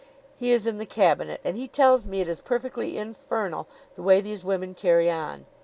He is in the Cabinet, and he tells me it is perfectly infernal the way these women carry on.